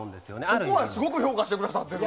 そこはすごく評価してくださってる。